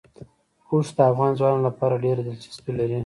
اوښ د افغان ځوانانو لپاره ډېره دلچسپي لري.